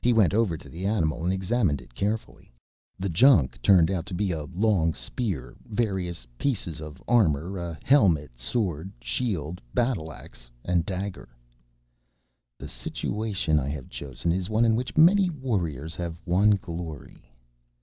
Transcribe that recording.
He went over to the animal and examined it carefully. The "junk" turned out to be a long spear, various pieces of armor, a helmet, sword, shield, battle ax and dagger. _The situation I have chosen is one in which many warriors have won glory.